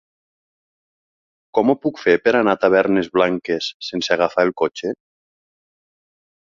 Com ho puc fer per anar a Tavernes Blanques sense agafar el cotxe?